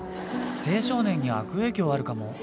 青少年に悪影響あるかも。